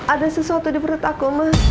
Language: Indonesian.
ada sesuatu di perut aku mah